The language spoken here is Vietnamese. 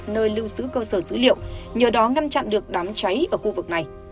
nơi lưu giữ cơ sở dữ liệu nhờ đó ngăn chặn được đám cháy ở khu vực này